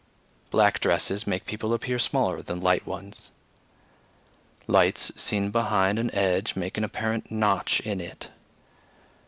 Black dresses make people appear smaller than light ones. Lights seen behind an edge make an apparent notch in it.